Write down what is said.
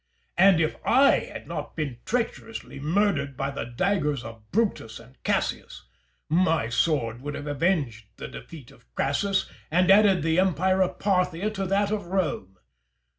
And if I had not been treacherously murdered by the daggers of Brutus and Cassius, my sword would have avenged the defeat of Crassus and added the empire of Parthia to that of Rome.